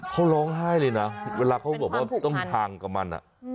เขาร้องไห้เลยนะเวลาเขาบอกว่าต้องทางกับมัน